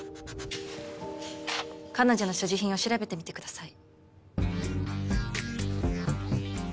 彼女の所持品を調べてみてください。